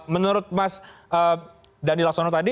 menurut mas dandi laksanaro tadi